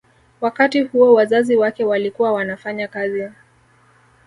Wakati huo wazazi wake walikuwa wanafanya kazi